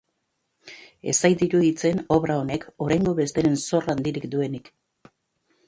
Ez zait iruditzen obra honek oraingo besteren zor handirik duenik.